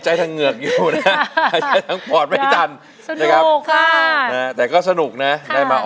เหนื่อยใช่ไหม